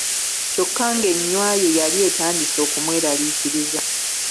kyokka ng'ennywa ye yali etandise okumwelariikiriza.